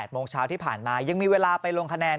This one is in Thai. โมงเช้าที่ผ่านมายังมีเวลาไปลงคะแนน